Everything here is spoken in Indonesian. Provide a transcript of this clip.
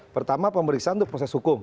pertama pemeriksaan untuk proses hukum